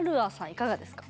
いかがですか？